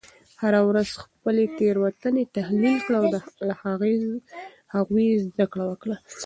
هره ورځ خپلې تیروتنې تحلیل کړه او له هغوی زده کړه وکړه.